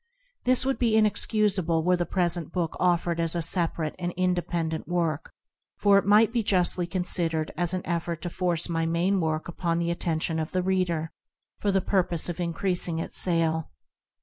This would be inex cusable were the present book offered as a separate and independent work, for it might be justly con sidered as an effort to force my main work upon the attention of the reader, for the purpose of increasing its sale.